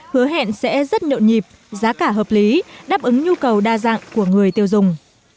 hứa hẹn sẽ rất nhộn nhịp giá cả hợp lý đáp ứng nhu cầu đa dạng của người tiêu dùng